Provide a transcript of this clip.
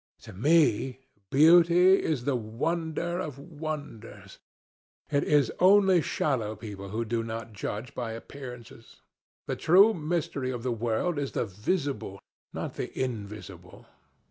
To me, beauty is the wonder of wonders. It is only shallow people who do not judge by appearances. The true mystery of the world is the visible, not the invisible....